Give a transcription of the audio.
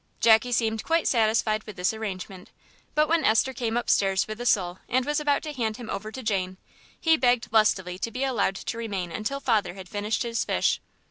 Jackie seemed quite satisfied with this arrangement, but when Esther came upstairs with the sole, and was about to hand him over to Jane, he begged lustily to be allowed to remain until father had finished his fish.